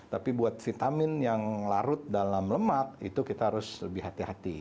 tapi buat vitamin yang larut dalam lemak itu kita harus lebih hati hati